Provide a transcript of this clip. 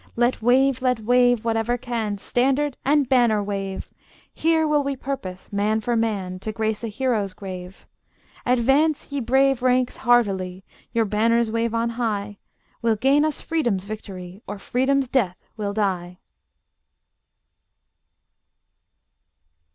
Let wave, let wave, whatever can, Standard and banner wave! Here will we purpose, man for man, To grace a hero's grave. Advance, ye brave ranks, hardily Your banners wave on high; We'll gain us freedom's victory, Or freedom's death we'll die!